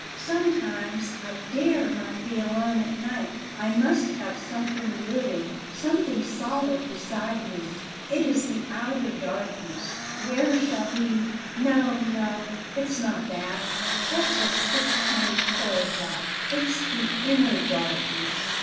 Sometimes I DARE not be alone at night. I must have something living something solid beside me. It is the outer darkness, where shall be No, no! It's not that; that's a sixpenny toy hell; it's the INNER darkness.